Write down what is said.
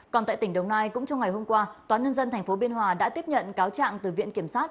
còn tại tỉnh đồng nai cũng trong ngày hôm qua tòa nhân dân tp biên hòa đã tiếp nhận cáo trạng từ viện kiểm sát